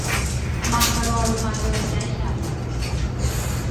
Makalrualrumale lailay